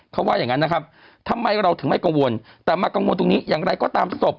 เขาว่าอย่างนั้นนะครับทำไมเราถึงไม่กังวลแต่มากังวลตรงนี้อย่างไรก็ตามศพ